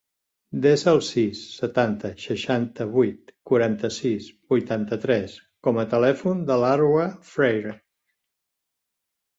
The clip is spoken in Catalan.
Desa el sis, setanta, seixanta-vuit, quaranta-sis, vuitanta-tres com a telèfon de l'Arwa Freire.